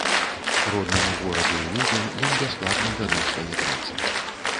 Роднаму гораду і людзям ён бясплатна дарыў свае працы.